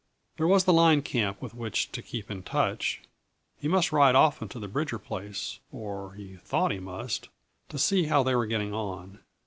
There was the line camp with which to keep in touch; he must ride often to the Bridger place or he thought he must to see how they were getting on.